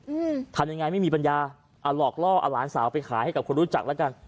อืมทำยังไงไม่มีปัญญาอ่าหลอกล่อเอาหลานสาวไปขายให้กับคนรู้จักแล้วกัน